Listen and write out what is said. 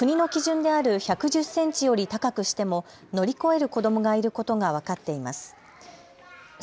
過去の実験では普通の策の場合、国の基準である１１０センチより高くしても乗り越える子どもがいることが分かっています。